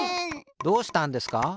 どうしたんですか？